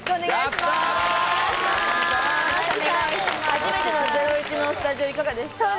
初めての『ゼロイチ』のスタジオいかがですか？